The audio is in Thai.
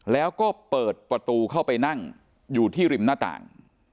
แล้วก็เปิดประตูเข้าไปนั่งอยู่ที่ริมหน้าต่าง